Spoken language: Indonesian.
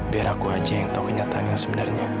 biar aku aja yang tau ingatan yang sebenarnya